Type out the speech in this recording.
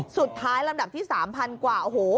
สุดท้ายลำดับที่๓๐๐๐กว่าโอ้โห